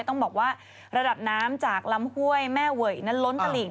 ต้องบอกว่าระดับน้ำจากลำห้วยแม่เวยนั้นล้นตลิ่ง